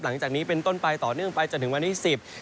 หลังจากนี้เป็นต้นไปต่อเนื่องไปจนถึงวันที่สิบ